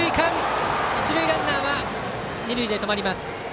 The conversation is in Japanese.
一塁ランナー二塁で止まります。